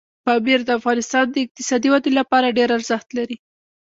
پامیر د افغانستان د اقتصادي ودې لپاره ډېر ارزښت لري.